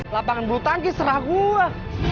lapangan bulu tangki serah gue